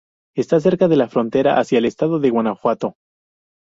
Está cerca de la frontera hacia el estado de Guanajuato.